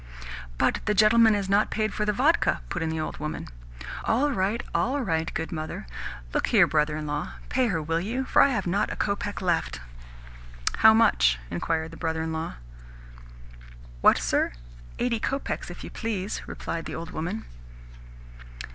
"But the gentleman has not paid for the vodka?" put in the old woman. "All right, all right, good mother. Look here, brother in law. Pay her, will you, for I have not a kopeck left." "How much?" inquired the brother in law. "What, sir? Eighty kopecks, if you please," replied the old woman.